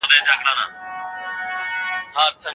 هغه کسان چې پیغمبر یې یو، توپیر نه لري.